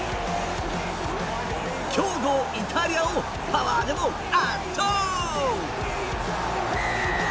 強豪イタリアをパワーでも圧倒。